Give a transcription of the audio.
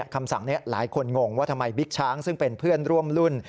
คำสั่งนี้หลายคนงงว่าทำไมบิ๊กช้างซึ่งเป็นเพื่อนร่วมรุ่น